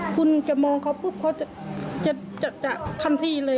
คุณจะมองเขาปุ๊บเขาจะทันทีเลย